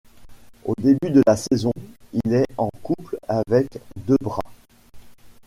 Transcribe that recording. Au début de la saison, il est en couple avec Debra.